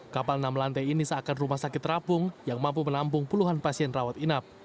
kapal enam lantai ini seakan rumah sakit terapung yang mampu menampung puluhan pasien rawat inap